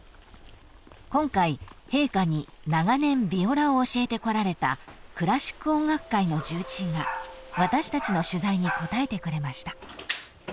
［今回陛下に長年ビオラを教えてこられたクラシック音楽界の重鎮が私たちの取材に応えてくれました］